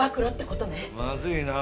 まずいな。